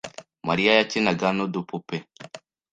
Mariya yakinaga nudupupe.